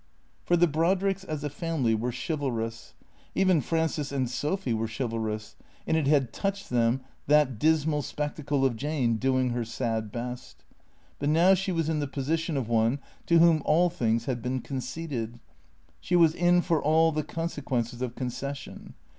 For the Brodricks as a family were chivalrous. Even Frances and Sophy were chivalrous; and it had touched them, that dis mal spectacle of Jane doing her sad best. But now she was in the position of one to whom all things have been conceded. She was in for all the consequences of concession.